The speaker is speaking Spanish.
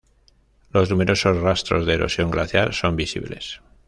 Los numerosos rastros de erosión glaciar son visibles.